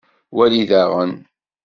Wali daɣen.